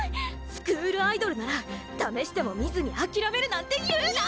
スクールアイドルなら試してもみずに諦めるなんて言うな！